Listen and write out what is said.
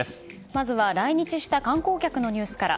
まずは来日した観光客のニュースから。